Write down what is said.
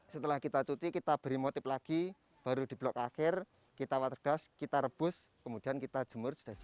setelah kita cuti kita beri motif lagi baru di blok akhir kita water gas kita rebus kemudian kita jemur sudah siap